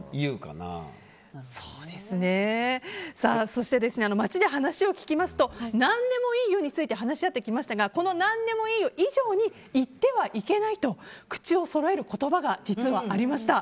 そして街で話を聞きますと何でもいいよについて話し合ってきましたがこの何でもいいよ以上に言ってはいけないと口をそろえる言葉が実はありました。